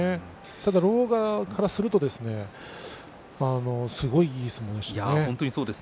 ただ狼雅からするとすごくいい相撲でしたね。